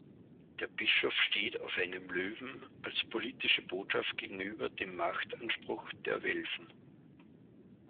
Der Bischof steht auf einem Löwen als politische Botschaft gegenüber dem Machtanspruch der Welfen.